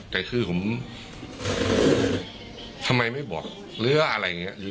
แต่คือผมทำไมไม่บอกหรืออะไรอย่างนี้